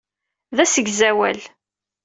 D asegzawal.